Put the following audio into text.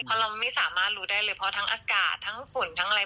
เพราะเราไม่สามารถรู้ได้เลยเพราะทั้งอากาศทั้งฝนทั้งอะไร